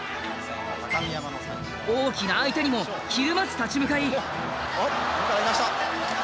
大きな相手にもひるまず立ち向かい。